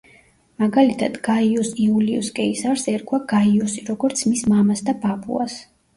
მაგალითად გაიუს იულიუს კეისარს ერქვა გაიუსი, როგორც მის მამას და ბაბუას.